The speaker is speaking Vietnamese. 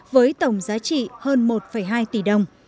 với tổng giá trị hơn một hai tỷ đồng